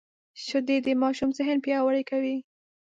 شیدې د ماشوم ذهن پیاوړی کوي